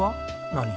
何？